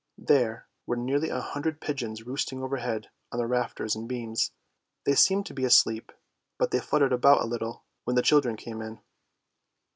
There were nearly a hundred pigeons roosting overhead on the rafters and beams. They seemed to be asleep, but they fluttered about a little when the children came in.